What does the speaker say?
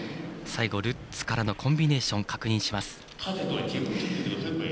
最後ルッツからのコンビネーションを確認します。